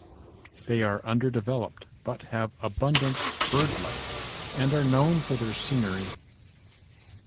They are undeveloped, but have abundant birdlife and are known for their scenery.